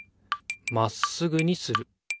まっすぐにする。